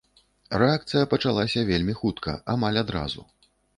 Рэакцыя пачалася вельмі хутка, амаль адразу.